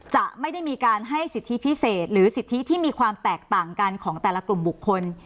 จะไม่ได้มีการให้สิทธิพิเศษหรือสิทธิที่มีความแตกต่างกันของแต่ละกลุ่มบุคคล